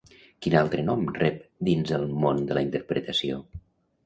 Quin altre nom rep dins el món de la interpretació?